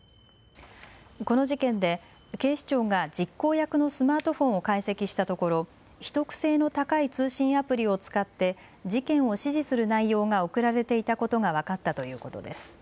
この事件で警視庁が実行役のスマートフォンを解析したところ秘匿性の高い通信アプリを使って事件を指示する内容が送られていたことが分かったということです。